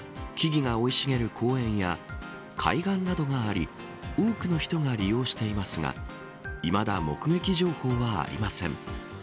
周辺には木々が生い茂る公園や海岸などがあり多くの人が利用していますがいまだ目撃情報はありません。